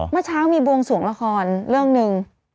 เมื่อเช้ามีบวงสวงละครเรื่องหนึ่ง